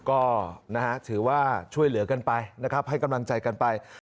ก็ถือว่าช่วยเหลือกันไปนะครับให้กำลังใจกันไป